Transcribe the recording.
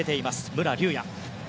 武良竜也。